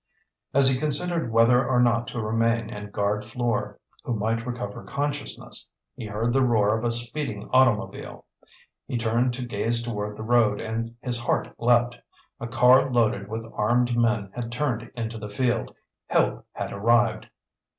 As he considered whether or not to remain and guard Fleur, who might recover consciousness, he heard the roar of a speeding automobile. He turned to gaze toward the road and his heart leaped. A car loaded with armed men had turned into the field. Help had arrived!